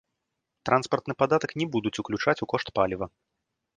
Транспартны падатак не будуць уключаць у кошт паліва.